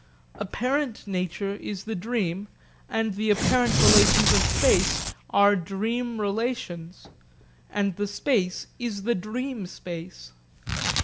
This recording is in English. Apparent nature is the dream, and the apparent relations of space are dream relations, and the space is the dream space.